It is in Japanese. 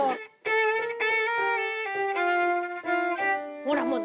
ほらもうね。